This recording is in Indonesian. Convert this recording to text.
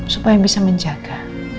supaya bisa menjaga